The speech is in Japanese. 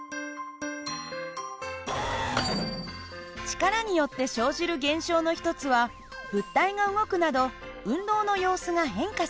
力によって生じる現象の一つは物体が動くなど運動の様子が変化する事。